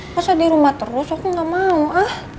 masa dirumah terus aku gak mau ah